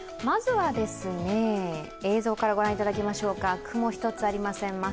まずは映像から御覧いただきましょうか、雲一つありません。